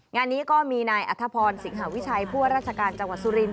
งานนี้ก็มีนายอัธพรสิงหาวิชัยผู้ว่าราชการจังหวัดสุรินท